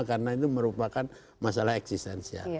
karena itu merupakan masalah eksistensi